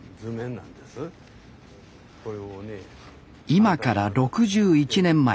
今から６１年前。